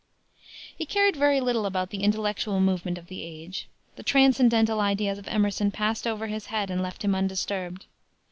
He cared very little about the intellectual movement of the age. The transcendental ideas of Emerson passed over his head and left him undisturbed.